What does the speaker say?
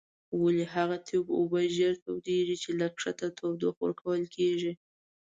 ولې هغه تیوب اوبه ژر تودیږي چې له ښکته تودوخه ورکول کیږي؟